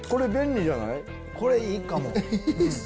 これいいかも。